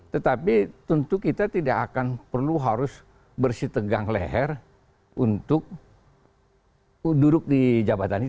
tetapi tentu kita tidak akan perlu harus bersih tegang leher untuk duduk di jabatan itu